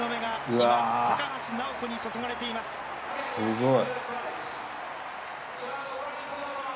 わすごい。